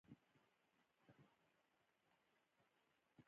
سترګې پټې کړې